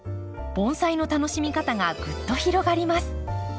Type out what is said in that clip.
盆栽の楽しみ方がぐっと広がります。